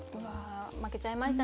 負けちゃいましたね